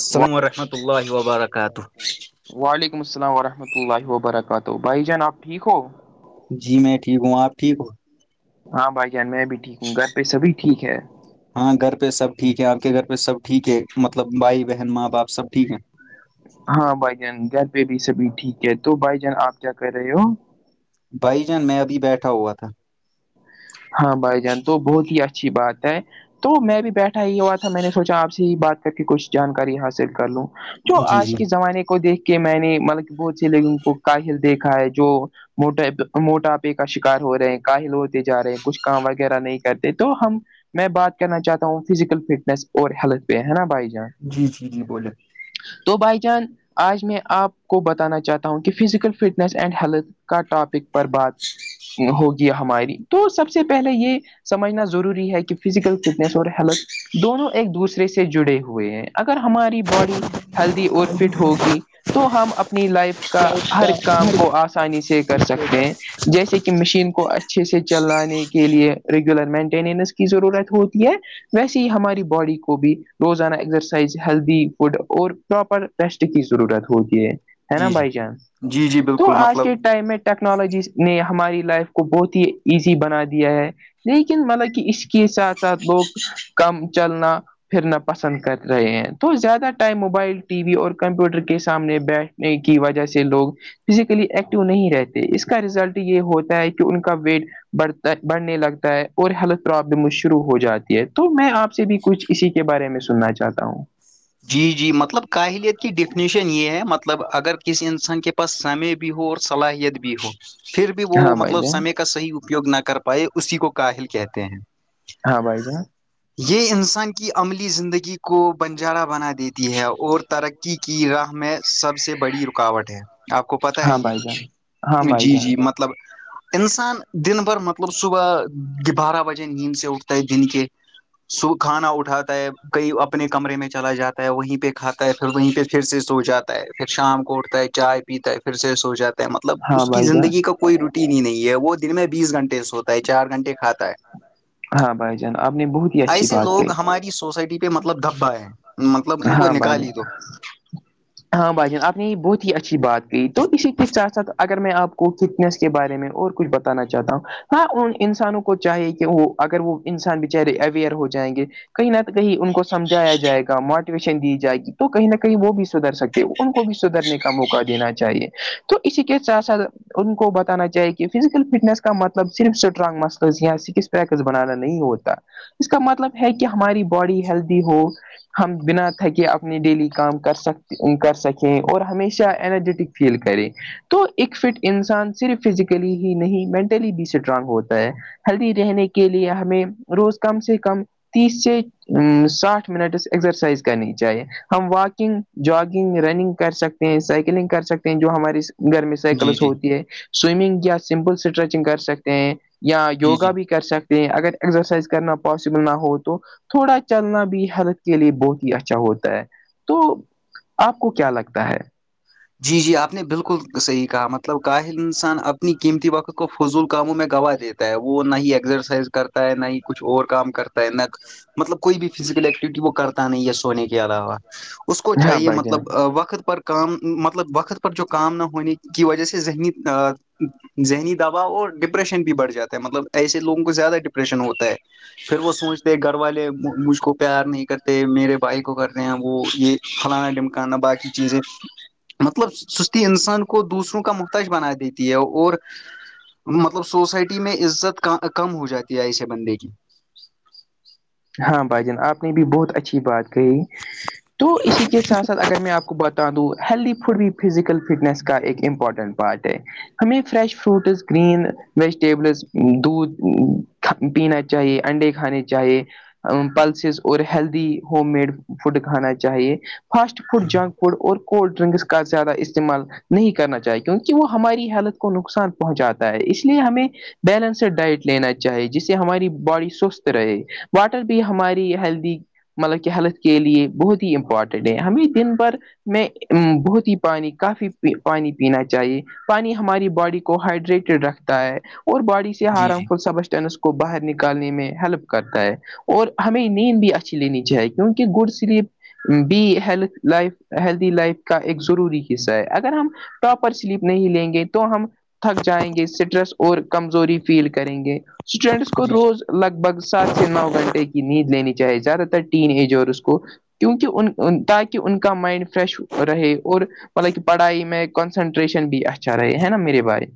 السلام ورحمۃ اللہ وبرکاتہ وعلیکم السلام ورحمۃ اللہ وبرکاتہ بھائی جان آپ ٹھیک ہو جی میں ٹھیک ہوں آپ ٹھیک ہو ہاں بھائی جان میں بھی ٹھیک ہوں گھر پہ سبھی ٹھیک ہے ہاں گھر پہ سب ٹھیک ہے آپ کے گھر پہ سب ٹھیک ہے مطلب بھائی بہن ماں باپ سب ٹھیک ہے ہاں بھائی جان گھر پہ بھی سبھی ٹھیک ہے تو بھائی جان آپ کیا کر رہے ہو بھائی جان میں ابھی بیٹھا ہوا تھا ہاں بھائی جان تو بہت ہی اچھی بات ہے تو میں بھی بیٹھا ہی ہوا تھا میں نے سوچا آپ سے ہی بات کر کے کچھ جانکاری حاصل کر لوں جو جی آج جی کے زمانے کو دیکھ کے میں نے مطلب کہ بہت سے لوگوں کو کاہل دیکھا ہے جو موٹ موٹاپے کا شکار ہو رہے ہیں کالوتے جا رہے ہیں کچھ کام وغیرہ نہیں کرتے تو ہم میں بات کرنا چاہتا ہوں فزیکل فٹنس اور ہیلتھ پہ ہے نا بھائی جان جی جی جی بولے تو بھائی جان آج میں آپ کو بتانا چاہتا ہوں کہ فزیکل فٹنس اینڈ ہیلتھ کا ٹاپک پر بات ہوگی ہماری تو سب سے پہلے یہ سمجھنا ضروری ہے کہ فزیکل فٹنیس اور ہیلتھ دونوں ایک دوسرے سے جڑے ہوئے ہیں اگر ہماری باڈی ہیلدی اور فٹ ہوگی تو ہم اپنی لائف کا ہر جی کام کو آسان آسانی سے کر سکتے ہیں جیسے کہ مشین کو اچھے سے چلانے کے لیے ریگولر مینٹیننس کی ضرورت ہوتی ہے ویسے ہی ہماری باڈی کو بھی روزانہ ایکزرسائز ہیلدی فوڈ اور پراپر ٹیسٹ کی ضرورت ہوتی ہے ہے نا جی بائی چانس جی جی تو بالکل آج کے مطلب ٹائم میں ٹیکنالوجیز نے ہماری لائف کو بہت ہی ایزی بنا دیا ہے لیکن مطلب کہ اس کے ساتھ ساتھ لوگ کم چلنا پھرنا پسند کر رہے ہیں تو زیادہ ٹائم موبائل ٹی وی اور کمپیوٹر کے سامنے بیٹھ کی وجہ سے لوگ فزیکلی ایکٹو نہیں رہتے اس کا رزلٹ یہ ہوتا ہے کہ ان کا ویٹ بڑھتا بڑھنے لگتا ہے اور ہیلتھ پرابلم شروع ہو جاتی ہے تو میں آپ سے بھی کچھ اسی کے بارے میں سننا چاہتا ہوں جی جی مطلب کاہلیت کی ڈیفینیشن یہ ہے مطلب اگر کسی انسان کے بس سمے بھی ہو اور صلاحیت بھی ہو پھر بھی وہ ہاں بھائی مطلب جان سمے کا صحیح اپیوگ نہ کر پائے اسی کو کاہل کہتے ہیں ہاں بھائی جےاں یہ انسان کی عملی زندگی کو بنجارا بنا دیتی ہے اور ترقی کی راہ میں سب سے بڑی رکاوٹ ہے آپ کو پت ہے ہاں بھائی جان ہاں یہ بھائی جی جان جی مطلب انسان دن بھر مطلب صبح بارہ بجے نیند سے اٹھتا ہے دن کے صب کھانا اٹھاتا ہے کئی اپنے کمرے میں چلا جاتا ہے وہیں پہ کھاتا ہے پھر وہیں پہ پھر سے سو جاتا ہے پھر شام کو اٹھتا ہے چائے پیتا ہے پھر سے سو جاتا مطلب ہاں اس کی بھائی جان زندگی کا کوئی روٹین ہی نہیں ہے وہ دن میں بیس گھنٹے سے ہوتا ہے چار گھنٹے کھاتا ہے ہاں بائی جان آپنی بہت ہی اچھی ایسے بات لوگ کہی ہماری سوسائٹی پہ مطلب دھبا ہے مطلب ان کو ہاں بھائی نکالی جان دو ہاں بھائی جان آپ نے یہ بہت ہی اچھی بات کہ تو اسی کے ساتھ ساتھ اگر میں آپ کو فٹنس کے بارے میں اور کچھ بتا ا چاہتا ہوں ہاں ان انسانوں کو چاہے کہ وہ اگر وہ انسان بچارے اویئر ہو جائیں گے کہیں نہ کہیں ان کو سمجھایا جائے گا موٹیویشن دی جائے گی تو کہیں نہ کہیں وہ بھی سدھھر سکتے ہو ان کو بھی سدھرنے کا موقع دینا چاہیے تو اسی کے ساتھ ساتھ ان کو بتانا چاہیے کہ فزیکل فٹنس کا مطلب صرف اسٹرانگ مسلز یا پیک بنانا نہیں ہوتا اس کا مطلب ہے کہ ہماری باڈی ہیلدی ہو ہم بنا تھکے اپنی ڈیلی کام کر سکتے کر سکیں اور ہمیشہ انرجیٹک فیل کریں تو ایک فٹ انسان صرف فزیکلی ہی نہیں مینٹلی بھی اسٹرانگ ہوتا ہے ہلدی رہنے کے لیے ہمیں روز کم سے کم تیس سے ساٹھ منٹ ایکسرسائز کرنی چاہیے ہم واکنگ جگنگ رننگ کر سکتے ہیں سائیکلنگ کر سکتے ہیں جو ہمارے گھر میں جی سائیکلس جی ہوتی ہے سوئمنگ یا سمپل اسٹریچنگ کر سکتے ہیں یا جی جی یوگا بھی کر سکتے کہ اگر ایگزرسائز کرنا پاسبل نہ ہوو تو تھوڑا چلنا بھی ہیلتھ کے لیے بہت ہی اچھا ہوتا ہے تو آپ کو کیا لگتا ہے جی جی آپ نے بالکل صحیح کہا مطلب کاہل انسان اپنی قیمتی وقت کو فضول کاموں میں گواہ دیتا تا ہے وہ نہ ہی ایکزرسائز کرتا ہے نہ ہی کچھ اور کام کرتا ہے نہ مطلب کوئی بھی فزیکل ایکٹیوٹی وہ کرتا نہیں ہے سونے کے علاوہ اس کو ہاں چاہیے بھائی جان مطلب وقت پر کام مطلب وقت پر جو کام نہ ہونے کی وجہ سے ذہنی ذہنی دباؤ اور ڈپریشن بھی بڑھ جاتا ہے مطلب ایسے لوگوں کو زیادہ ڈپریشن ہوتا ہے پھر وہ سوچتے گھر والے مجھ کو پیار نہیں کرتے میرے بھائی کو کرتے ہیں وہ یہ پھلانا ڈمکانا باقی چیزیں مطلب سستی انسان کو دوسروں کا مختج بنا دیتی ہے اور مطلب سوسائٹی میں عزت کم ہو جاتی ہے ایسے بندے کی ہاں بھائی جان آپ نے بھی بہت اچھی بات گئی تو اسی کے ساتھ ساتھ اگر میں آپ کو بتا دوں ہیلدی فڈ بھی فزیکل فٹنیس کا ایک امپورٹنٹ پارٹ ہے ہمیں فریش فروٹس گرین ویجیٹیبلز دودھ پینا چاہیے انڈے کھانے چاہیے پلسز اور ہیلدی ہوم میڈ فوڈ کھانا چاہیے فاسٹ فوڈ جنک فوڈ اور کولڈ ڈرنکس کا زیادہ استعمال نہیں کرنا چاہیے کیونکہ وہ ہماری حالت کو نقصان پہنچاتا ہے اس لیے ہمیں بیلنس ڈائٹ لینا چاہی جس سے ہماری باڈی سوستھ رہے واٹر بھی ہماری ہیلدی مطلب کہ ہیلتھ کے لیے بہت ہی امپورٹنٹ ہے ہمیں دن بھر میں بہت ہی پانی کافی پانی پینا چاہیے پانی ہماری باڈی کو ہائڈریٹڈ رکھتا ہے اور باڈی سے ہارم فل سبسٹینس کو باہر نکالنے میں ہیلپ کرتا ہے اور ہمیں نیند بھی اچھی لینی چاہی کیونکہ گڑ سلیپ بھی ہیلت لائف ہیلدی لائف کا ایک ضروری حصہ ہے اگر ہم پراپر سلیپ نہیں لیں گے تو ہم تھک جائیں گے سٹریس اور کمزوری فیل کریں گے سٹوڈٹس ک جی روز لگ بھگ سات نو گھنٹے کی نیند لینی چاہیے زیادہ تر ٹیین ایج اور اس کو کیونکہ ان تاکہ ان کا مائنڈ فریش رہے اور مطلب کہ پڑھائی میں کنسنٹریشن بھی اچھا رہے ہے نا میرے بارے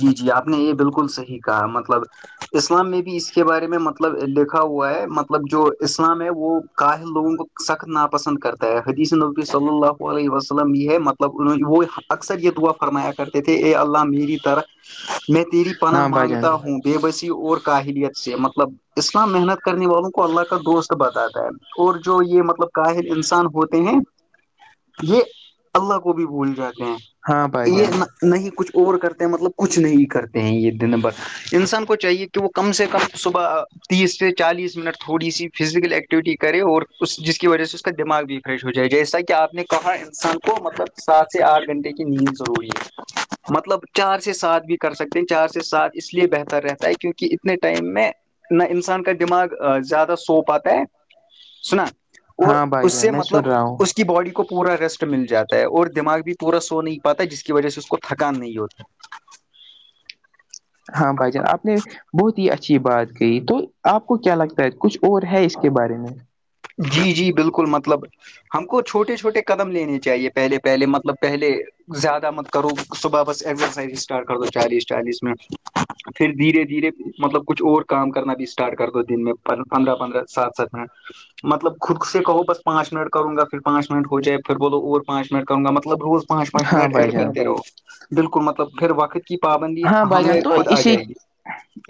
جی جی آپ نے یہ بالکل صحیح کہا مطلب اسلام میں بھی اس کے بارے میں مطلب لکھا ہوا ہے مطلب جو اسلام ہے وہ کاہل لوگوں کو سخت ناپسند کرتا ہے حدیث نبی صلی اللہ علیہ وسلم یہ ہے مطلب ان وہ اکثر یہ دعا فرمایا کرتے تھے اے اللہ میری طرح میں تیری پناہ ہاں بھائی جان مانگتا ہوں ب بسی اور کاہلیت سے مطلب النا محنت کرنے والوں کو اللہ کا دوست بتاتا ہے اور جو یہ مطلب کاہل انسان ہوتے ہیں یہ اللہ کو بھی بھول جاتے ہیں ہاں بھائی یہ جان نہیں کچھ اور کرتے مطلب کچھ نہیں کرتے ہیں یہ دن ب انسان کو چاہیے کہ وہ کم سے کم صبح تیس سے چالیس منٹ تھوڑی سی فزیکل ایکٹیویٹی کرے اور اس جس کی وجہ سے اس کا دماغ بھی فریش ہو جائے جیسا کہ آپ نے کہا انسان کو مطلب سات سے آٹھ گھنٹے کی نیند ضروری ہے مطلب چار سے سات بھی کر سکتے ہیں چار سے سات اس لیے بہتر رہتا ہے کیونکہ اتنے ٹائم میں نہ انسان کا دماغ زیادہ سو پاتا ہے سنا وہ ہاں بھائی اس سے جان میں مطلب سن رہا ہوں اس کے کہ باڈی کو پورا ریسٹ مل جاتا ہے اور دماغ بھی پورا سو نہیں پاتا ہے جس کی وجہ سے اس کو تھکان نہیں ہوتا ہے ہاں بھائی جان آپ نے بہت ہی اچھی بات گئی تو آپ کو کیا لگتا ہے کچھ اور ہے اس کے بارے میں جی جی بالکل مطلب ہم کو چھوٹے چھوٹے قدم لینے چاہیے پہلے پہلے مطلب پہلے زیادہ مت کرو صبح بس ایکزرسائز اسٹارٹ کر دو چالیس چالیس منٹ پھر دھیرے دھیرے مطلب کچھ اور کام کرنا بھی اسٹارٹ کر دو دن میں پندرہ پندرہ سات سات منٹ مطلب خود سے کہو بس پانچ منٹ کروں گا پھر پانچ منٹ ہو جائے پھر بولو اور پانچ منٹ کروں گا مطلب رز پانچ پانچ ہاں منٹ بھائی ایڈ جان کرتے رہو بالکل مطلب پھر وقت کی پابندی ہاں بھائی جان ہمیں تو خود آ اسی جائے گی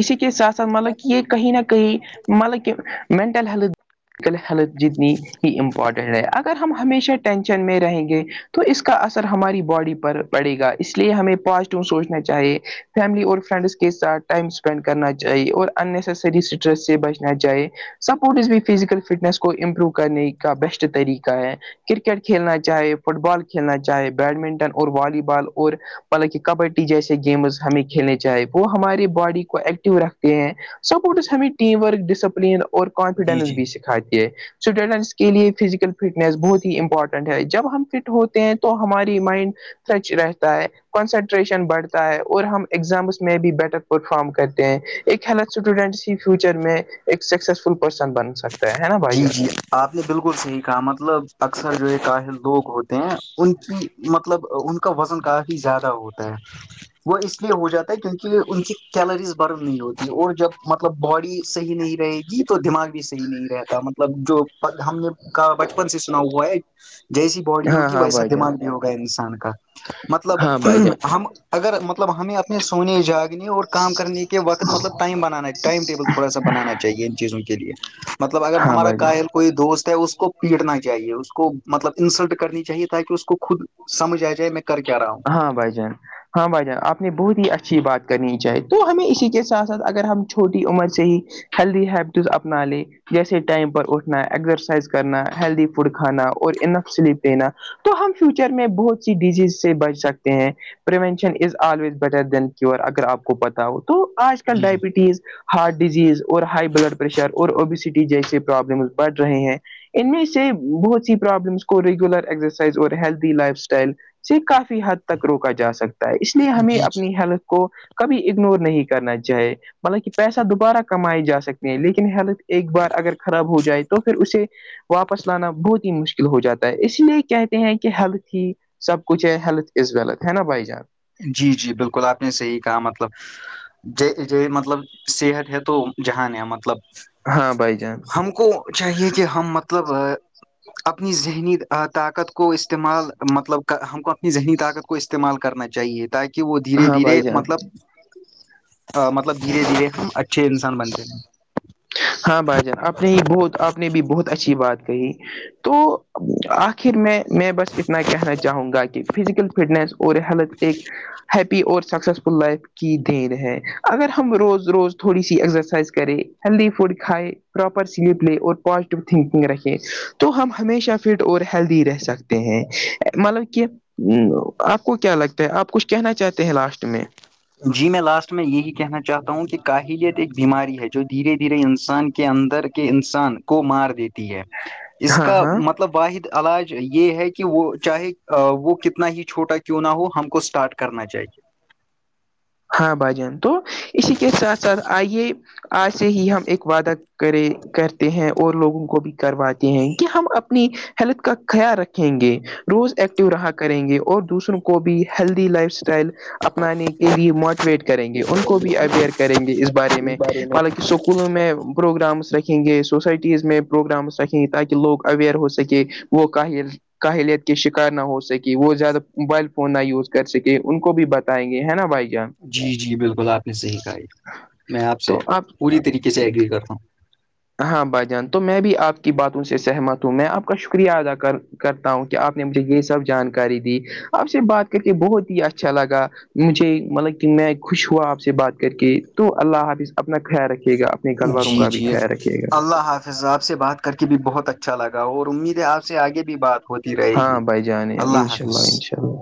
اسی کے ساتھ ساتھ مطلب کہ یہ کہیں نہ کہیں مطلب کہ مینٹل ہیلتھ آج کل حالت جتنی ہی امپورٹنٹ ہے اگر ہم ہمیشہ ٹینشن میں رہیں گے تو اس کا اثر ہماری باڈی پر پڑے گا اس لیے ہمیں پازیٹو سوچنے چاہے فیملی اور فرینڈس کے ساتھ ٹائم اسپینڈ کرنا چاہے اور اننیسسری ڈرس سے بجنا جائے سپورٹس بھی فزیکل فٹنس کو امپروو کرنے کا بیسٹ طریقہ ہے کرکٹ کھیلنا چاہے فٹ بال کھیلنا چاہے بیڈمنٹن اور والی بال اور مطلب کہ کبڈی جیسے گیمز ہمیں کھیلنے چاہے وہ ہماری باڈی کو ایکٹیو رکھتے ہیں سپورٹس ہمیں ٹیم ورک ڈسپلن اور کانفیڈنس بھی سکھاتی ہے اسٹوڈنٹس کے لیے فزیکل فٹنیس بہت ہی امپورٹنٹ ہے جب ہم فٹ ہوتے ہیں تو ہماری مائنڈ سچ رہتا ہے کانسنٹریشن بڑھتا اور ہم ایگزامس میں بھی بیٹر پرفارم کرتے ہیں ایک ہیلتھ اسٹوڈنٹ فیوچر میں ایک سکسسفل پرسن بن سکتا ہے نا بھائی جی جان جی آپ نے بالکل صحیح کہا مطلب اکثر جو ہے کاہل لوگ ہوتے ہیں ان کی مطلب ان کا وزن کافی زیادہ ہوتا ہے وہ اس لیے ہو جاتا ہے کیونکہ ان کی کیلریز برن نہیں ہوتی اور جب مطلب باڈی صحیح نہیں رہی یہ تو دماغ بھی صحیح نہیں رہتا مطلب جو ہم نے بچپن سے سنا ہوا ہے جیسی باڈی ہاں ہوگی ہاں ویسا بھائی جان دماغ میں ہوگا انسان کا مطلب ہاں بھائی جان ہم اگر مطلب ہمیں اپنے سونے جا کے اور کام کرنے کے وت مطلب ٹائم بنانا ائم ٹیبل تھوڑا سا بنانا چاہیے ان چیزوں کے لیے مطلب اگر ہاں ہمارا بھائی جان کاہل کوئی دوست ہے اس کو پیٹنا چاہے اس کو مطلب انسلٹ کرنی چاہیے تاکہ اس کو خود سمجھ آ جائے میں کر کیا رہا ہوں ہاں بائی جان ہاں بھائی جان آپ نے بہت ہی اچھی بات کرنی چاہی تو ہمیں اسی کے ساتھ ساتھ اگر ہم چھوٹی عمر سے ہی ہیلدی ہیبٹز اپنا لے جیسے ٹائم پر اٹھنا ایکزرسائز کرنا ہیلدی فوڈ کھا اور سلی پینا تو ہم فیوچر میں بہت سی ڈیزیز سے بچ سکتے ہیں ونشن ا آوز بیٹر دین اگر آپ کو پتا ہو تو آج کل ڈائبٹیز ہارٹ ڈیزیز اور ہائی بلڈ پریشر اور اوبیسٹی جیسے پرابلم بڑھ رہے ہیں ان میں سے بہت سی پرابلمس کو ریگولر ایکسرسائز اور ہیلدی لائف اسٹائل سے کافی حد تک روکا جا سکتا ہے اس لیے ہمیں اپنی ہیلت کو کبھی اگنور نہیں کرنا چاہے مطلب کہ پیسہ دوبارہ کمائے جا سکتے ہیں لیکن ہیلتھ ایک بار اگر خراب ہو جائے تو پھر اسے واپس لانا بہت ہی مشکل ہو جاتا ہے اسی لیے کہتے ہیں کہ ہیلتھ ہی سب کچھ ہے ہیلتھز ولتھ ہے نا بھائی جان جی جی بالکل آپ نے صحیح کہا مطلب ج ج مطلب صحت ہے تو جہان ہے مطلب ہاں بائی جان ہم کو چاہیے کہ ہم مطلب اپنی ذہنی طاقت کو استعمال مطلب ہم کو اپنی ذہنی طاقت کو استعمال کرنا چاہیے تاکہ کہ وہ دھیرے ہاں دھیرے بھائی جان مطلب مطلب دھیرے دھیرے ہم اچھے انسان بنتے ہیں ہاں بھائی جان آپ نے ہی بہت آپ نے بھی بہت اچھی بات کہی تو آخر میں میں بس اتنا کہنا چاہوں گا کہ فزیکل فٹنس اور ہیلتھ ایک ہیپی اور سکسسفل لائف کی دیر ہے اگر ہم روز روز تھوڑی سی ایکسرسائز کریں ہیلدی فوڈ کھائے پراپر سلیپ لے اور پازیٹیو تھنکنگ رکھیں تو ہم ہمیشہ فٹ اور ہیلدی رہ سکتے ہیں مطلب کہ ہوں آپ کو کیا لگتا ہے آپ کچھ کہنا چاہتے ہیں لاسٹ میں جی میں لاسٹ میں یہی کہنا چاہتا ہوں کہ کاہلیت ایک بیماری ہے جودھیرے دھیرے انسان کے اندر کے انسان کو مار دیتی ہے اس ہاں کا ہاں مطلب واحد علاج یہ ہے کہ وہ چاہے وہ کتنا ہی چھوٹا کیوں نہ ہو ہم کو اسٹارٹ کرنا چاہیے ہاں بھائ جان تو اسی کے ساتھ ساتھ آئیے آ ج سے ہی ہم ایک وعدہ کرے کرتے ہیں اور لوگوں کو بھی کرواتے ہیں کہ ہم اپنی ہیلتھ کا خیال رکھیں گے روز ایکٹیو رہا کریں گے اور دوسروں کو بھی ہیلدی لائف اسٹائل اپنانے کے لیے موٹ ٹویٹ کریں گے ان کو بھی اوئر کریں گے اس بارے میں بلکہ اسکول میں پروگرامس رکھیں گے سوسائٹیز میں پروگرامس رکھیں گے تاکہ لوگ اویئر ہو سکے وہ کاہل کاہلیت کے شکار نہ ہو سکے وہ زیادہ موبائل فون نہ یوز کر سکے ان کو بھی بتائیں گے ہے نا بھائی جان جی جی بالکل آپ نے صحیح کہاایے میں آپ سے پوری طریقے سے ایگری کرتا ہوں ہاں بھائی جان تو میں بھی آپ کی باتوں سے سہمت ہوں میں آپ کا شکریہ ادا کر کرتا ہوں کہ آپ نے مجھے یہ سب جانکاری دی آپ سے بات کر کے بہت ہی اچھا لگا مجھے مطلب کہ میں خوش ہوا آپ سے بات کر کے تو اللہ حافظ اپنا خیال رکھیے گا آپ جی جی رکھیے گا اللہ حافظ آپ سے بات کر کے بھی بہت اچھا لگا اور امید ہے آپ سے آگے بھی بات ہوتی رہے گی ہاں بھائی جان اللہ انشاء حافظ انشاء اللہ